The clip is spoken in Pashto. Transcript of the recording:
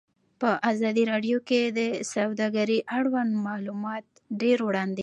په ازادي راډیو کې د سوداګري اړوند معلومات ډېر وړاندې شوي.